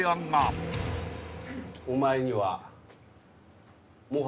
お前には。